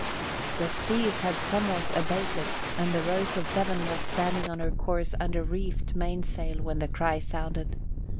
The seas had somewhat abated and the Rose of Devon was standing on her course under reefed mainsail when the cry sounded.